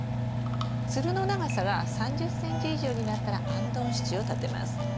つるの長さが３０ｃｍ以上になったらあんどん支柱を立てます。